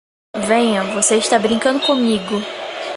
Venha, você está brincando comigo!